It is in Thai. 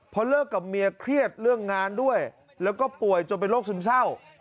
พอเลิกกับเมียเครียดเรื่องงานด้วยแล้วก็ป่วยจนเป็นโรคซึมเศร้า